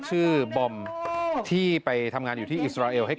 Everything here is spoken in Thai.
กลับบ้านหนูได้เลย